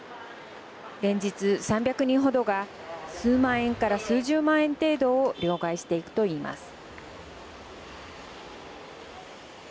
連日３００人ほどが数万円から数十万円程度を両替していくといいます。